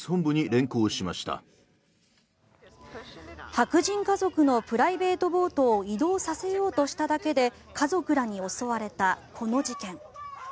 白人家族のプライベートボートを移動させようとしただけで家族らに襲われたこの事件。